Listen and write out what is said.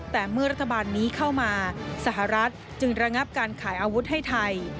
แต่เมื่อรัฐบาลนี้เข้ามาสหรัฐจึงระงับการขายอาวุธให้ไทย